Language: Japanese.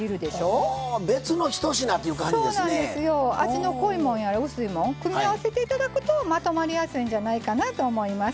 味の濃いもんやら薄いもん組み合わせて頂くとまとまりやすいんじゃないかなと思います。